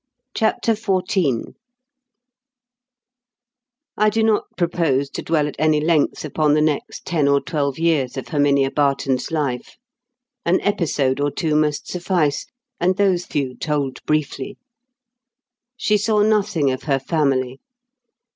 CHAPTER XIV I do not propose to dwell at any length upon the next ten or twelve years of Herminia Barton's life. An episode or two must suffice; and those few told briefly. She saw nothing of her family.